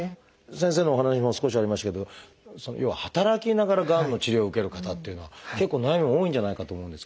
先生のお話にも少しありましたけど要は働きながらがんの治療を受ける方っていうのは結構悩みも多いんじゃないかと思うんですけどいかがですか？